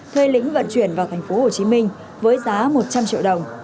thuê lĩnh vận chuyển vào thành phố hồ chí minh với giá một trăm linh triệu đồng